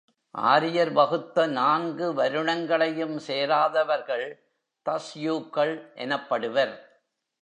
ஆரியர் வகுத்த நான்கு வருணங்களையும் சேராதவர்கள் தஸ்யூக்கள் எனப்படுவர்.